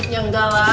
ya enggak lah